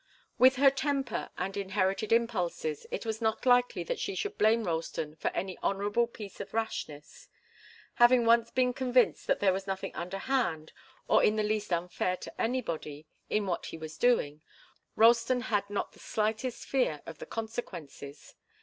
With her temper and inherited impulses it was not likely that she should blame Ralston for any honourable piece of rashness. Having once been convinced that there was nothing underhand or in the least unfair to anybody in what he was doing, Ralston had not the slightest fear of the consequences.